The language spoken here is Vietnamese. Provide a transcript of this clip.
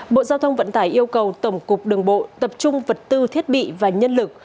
bộ giao thông vận tải yêu cầu tổng cục đường bộ tập trung vật tư thiết bị và nhân lực